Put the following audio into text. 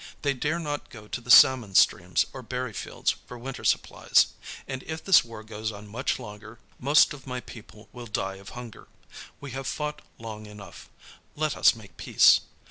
They dare not go to the salmon streams or berry fields for winter supplies, and if this war goes on much longer most of my people will die of hunger. We have fought long enough; let us make peace.